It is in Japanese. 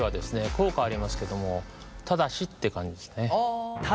効果ありますけどもただしって感じですね。